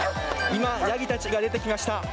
今、ヤギたちが出てきました。